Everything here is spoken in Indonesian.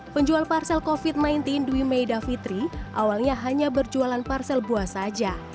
penjual parsel covid sembilan belas dwi meida fitri awalnya hanya berjualan parsel buah saja